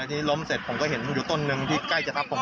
ทีนี้ล้มเสร็จผมก็เห็นอยู่ต้นหนึ่งที่ใกล้จะทับผม